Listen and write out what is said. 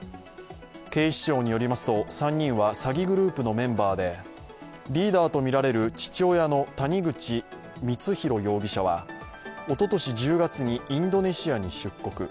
警視庁によりますと、３人は詐欺グループのメンバーでリーダーとみられる父親の谷口光弘容疑者はおととし１０月にインドネシアに出国。